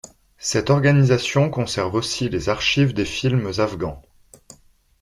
Cette organisation conserve aussi les archives des films afghans.